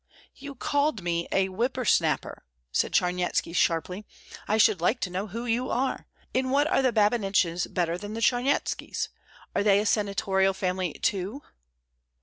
"You called me a whipper snapper," said Charnyetski, sharply. "I should like to know who you are. In what are the Babiniches better than the Charnyetskis? Are they a senatorial family too?"